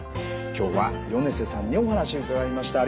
今日は米瀬さんにお話伺いました。